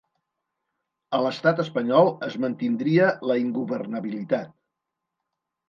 A l’estat espanyol, es mantindria la ingovernabilitat.